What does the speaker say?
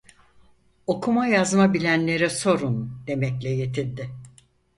"Okuma yazma bilenlere sorun!" demekle yetindi.